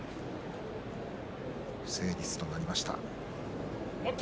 不成立となりました。